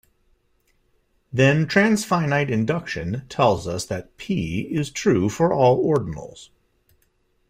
Then transfinite induction tells us that P is true for all ordinals.